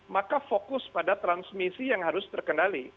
maka fokus pada transmisi yang harus terkendali